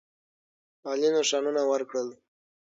عالي نښانونه ورکړل.